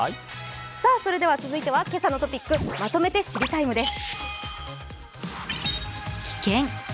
続いては「けさのトピックまとめて知りＴＩＭＥ，」です。